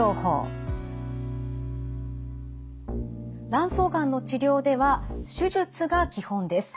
卵巣がんの治療では手術が基本です。